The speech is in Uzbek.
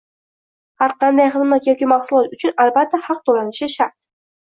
Har qanday xizmat yoki mahsulot uchun albatta haq to’lanishi shart